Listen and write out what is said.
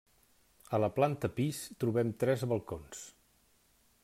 A la planta pis trobem tres balcons.